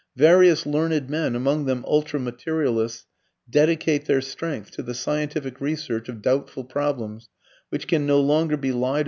Various learned men, among them ultra materialists, dedicate their strength to the scientific research of doubtful problems, which can no longer be lied about or passed over in silence.